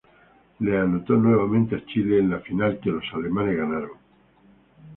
Le anotó nuevamente a Chile en la final, que los alemanes ganaron.